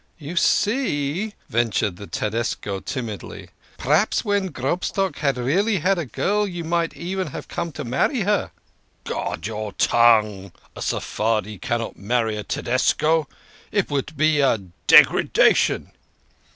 " You see !" ventured the Tedesco timidly. " P'raps ven Grobstock had really had a girl you might even have come to marry her." 54 THE KING OF SCHNORRERS. " Guard your tongue ! A Sephardi cannot marry a Te desco ! It would be a degradation."